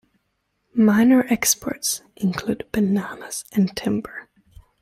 Minor exports include bananas and timber.